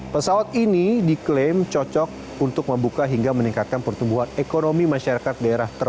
pesawat ini diklaim cocok untuk membuka hingga meningkatkan pertumbuhan ekonomi masyarakat